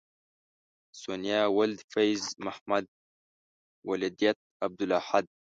سونیا ولد فیض محمد ولدیت عبدالاحد